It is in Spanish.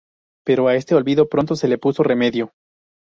Pero a este olvido pronto se le puso remedio.